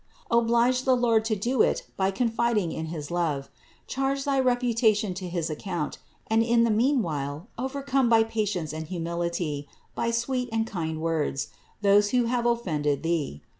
Oblige the Lord to do it by confiding in his love. Charge thy reputation to his account; and in the meanwhile overcome by patience and humility, by sweet and kind words, those who have offended thee.